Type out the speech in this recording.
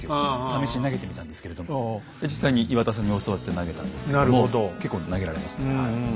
試しに投げてみたんですけれど実際に岩田さんに教わって投げたんですけども結構投げられますねはい。